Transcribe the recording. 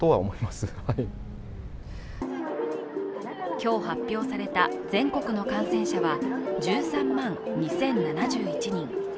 今日発表された全国の感染者は１３万２０７１人。